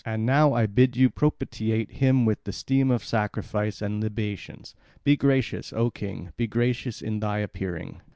And now I bid you propitiate him with the steam of sacrifice and libations. Be gracious, O king, be gracious in thy appearing."